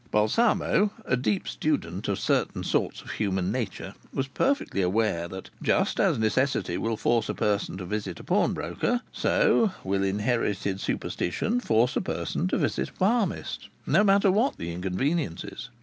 Balsamo, a deep student of certain sorts of human nature, was perfectly aware that, just as necessity will force a person to visit a pawnbroker, so will inherited superstition force a person to visit a palmist, no matter what the inconveniences.